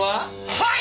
はい！